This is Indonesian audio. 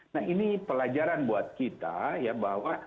nah ini pelajaran buat kita ya bahwa